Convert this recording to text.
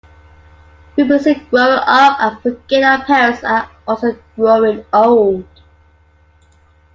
We're busy growing up and forget our parents are also growing old.